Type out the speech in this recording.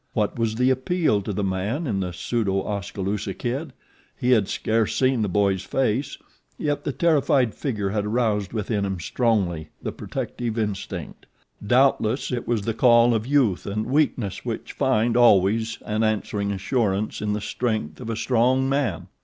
What was the appeal to the man in the pseudo Oskaloosa Kid? He had scarce seen the boy's face, yet the terrified figure had aroused within him, strongly, the protective instinct. Doubtless it was the call of youth and weakness which find, always, an answering assurance in the strength of a strong man.